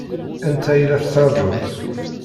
Anta i la tettṛaǧumt?